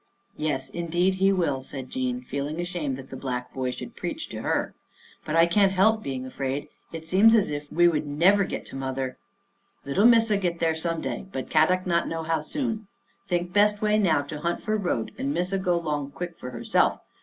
" Yes, indeed He will," said Jean, feeling ashamed that the black boy should preach to her. " But I can't help being afraid. It seems as if we would never get to mother." " Little Missa get there some day, but Kadok not know how soon. Think best way now to hunt for road and Missa go long quick for her self.